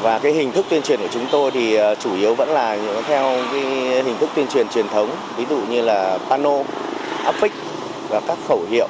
và cái hình thức tuyên truyền của chúng tôi thì chủ yếu vẫn là theo hình thức tuyên truyền truyền thống ví dụ như là pano áp vích và các khẩu hiệu